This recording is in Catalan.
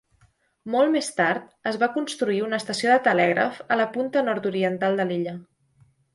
Molt més tard, es va construir una estació de telègraf a la punta nord-oriental de l'illa.